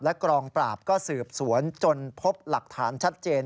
กองปราบก็สืบสวนจนพบหลักฐานชัดเจน